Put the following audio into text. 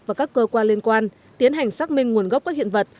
và các cơ quan liên quan tiến hành xác minh nguồn gốc các hiện vật